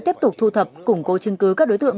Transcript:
tiếp tục thu thập củng cố chứng cứ các đối tượng